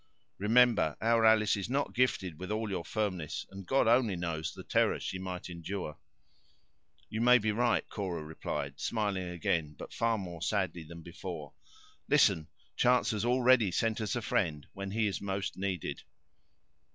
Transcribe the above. Remember, our Alice is not gifted with all your firmness, and God only knows the terror she might endure." "You may be right," Cora replied, smiling again, but far more sadly than before. "Listen! chance has already sent us a friend when he is most needed."